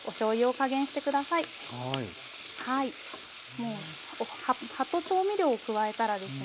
もう葉と調味料を加えたらですね